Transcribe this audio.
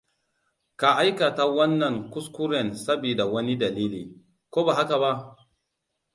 Ka aikata wannan kuskuren sabida wani dalili, ko ba haka ba?